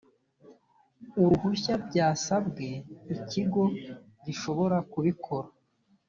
uruhushya byasabwe ikigo gishobora kubikora